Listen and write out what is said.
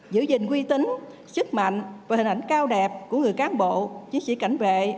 giữ gìn quy tính sức mạnh và hình ảnh cao đẹp của người cán bộ chiến sĩ cảnh vệ